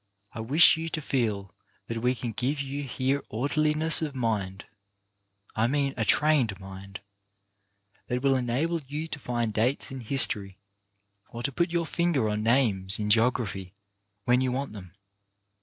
I wish you to feel that we can give you here orderliness of mind — I mean a trained mind — that will enable you to find dates in history or to put your finger on names in geography when you want them.